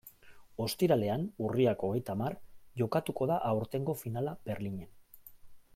Ostiralean, urriak hogeita hamar, jokatuko da aurtengo finala Berlinen.